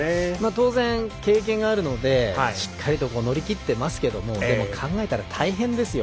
当然、経験があるのでしっかりと乗り切っていますけど考えたら大変ですよ。